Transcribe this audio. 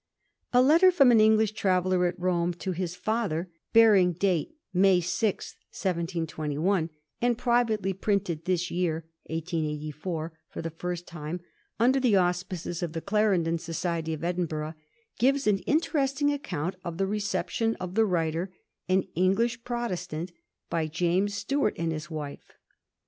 A letter from an English traveller at Rome to his father, bearing date May 6, 1721, and privately printed this year (1884) for the first time, under the auspices of the Clarendon Society, of Edinburgh, gives an interesting account of the reception of the writer, an English Protestant, by James Stuart and his wife.